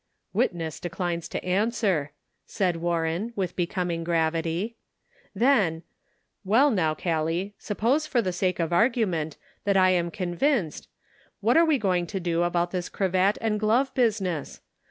" Witness declines to answer," said Warren, with becoming gravity. Then — "Well, now, Gallic, suppose, for the sake of the argument, that I am convinced, what are we going to do about this cravat and glove business